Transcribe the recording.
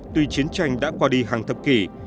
tuy chiến tranh đã qua đi hàng thập kỷ